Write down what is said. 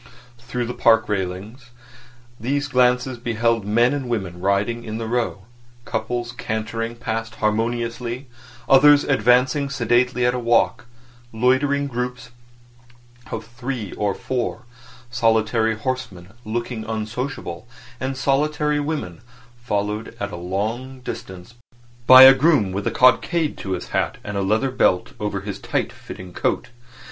Through the park railings these glances beheld men and women riding in the Row, couples cantering past harmoniously, others advancing sedately at a walk, loitering groups of three or four, solitary horsemen looking unsociable, and solitary women followed at a long distance by a groom with a cockade to his hat and a leather belt over his tight fitting coat.